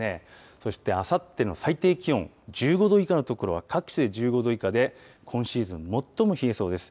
そしてあさっての最低気温、１５度以下の所は、各地で１５度以下で、今シーズン最も冷えそうです。